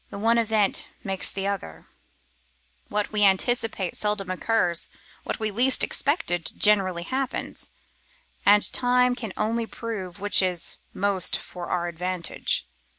One event makes another: what we anticipate seldom occurs; what we least expected generally happens; and time can only prove which is most for our advantage.